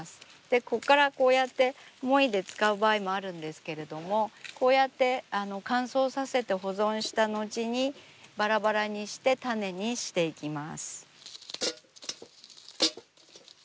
ここからこうやってもいで使う場合もあるんですけれどもこうやって乾燥させて保存した後にばらばらにして種にしていきます。